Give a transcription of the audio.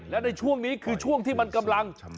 และในช่วงนี้คือช่วงที่มันกำลัง